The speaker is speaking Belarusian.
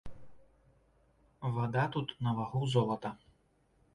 Вада тут на вагу золата.